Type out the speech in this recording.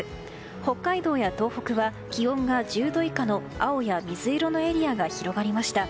北海道や東北は気温が１０度以下の青や水色のエリアが広がりました。